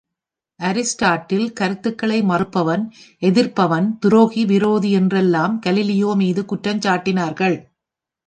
Aristotle கருத்துக்களை மறுப்பவன், எதிர்ப்பவன், துரோகி விரோதி என்றெல்லாம் கலீலியோ மீது குற்றம் சாட்டினார்கள்.